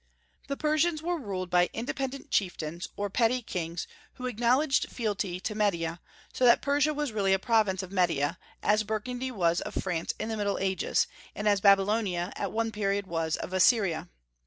The Persians were ruled by independent chieftains, or petty kings, who acknowledged fealty to Media; so that Persia was really a province of Media, as Burgundy was of France in the Middle Ages, and as Babylonia at one period was of Assyria.